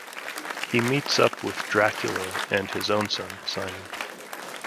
He meets up with Dracula and his own son, Simon.